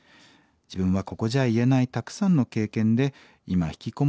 自分はここじゃ言えないたくさんの経験で今ひきこもり状態。